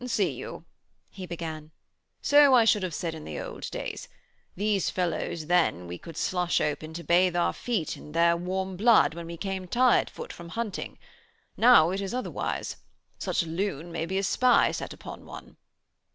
'See you,' he began. 'So I should have said in the old days. These fellows then we could slush open to bathe our feet in their warm blood when we came tired foot from hunting. Now it is otherwise. Such a loon may be a spy set upon one.'